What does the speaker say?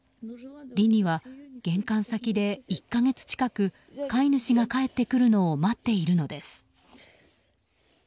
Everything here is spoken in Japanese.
リニは、玄関先で１か月近く飼い主が帰ってくるのを待っているのです。